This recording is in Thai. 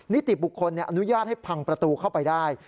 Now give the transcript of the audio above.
นิติบุคคลอนุญาตให้พังประตูเข้าไปได้